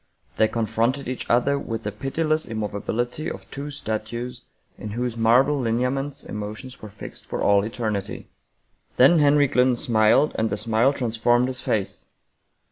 They con fronted each other with the pitiless immovability of two statues in whose marble hneaments emotions were fixed for all eternity. Then Henry Glynn smiled and the smile transformed his face.